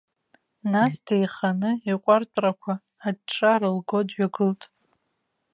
Нас деиханы, иҟәартәрақәа аҿҿа рылго дҩагылт.